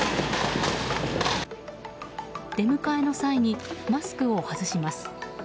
出迎えの際にマスクを外します。